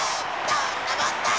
どんなもんだい！